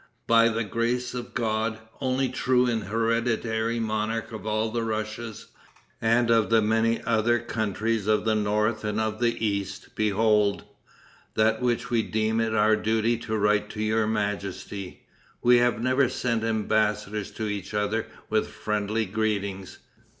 by the grace of God, only true and hereditary monarch of all the Russias, and of many other countries of the North and of the East; behold! that which we deem it our duty to write to your majesty. We have never sent embassadors to each other with friendly greetings.